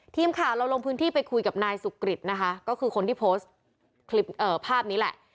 ทีมข่าวเราลงพื้นที่ไปคุยกับนายสุกริตนะคะก็คือคนที่โพสต์คลิปภาพนี้แหละ